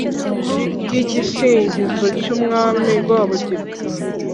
ry’igisingizo cy’umwami rwabugili